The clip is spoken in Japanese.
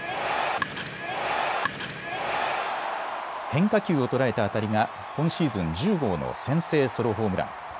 変化球を捉えた当たりが今シーズン１０号の先制ソロホームラン。